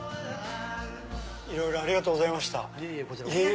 いろいろありがとうございました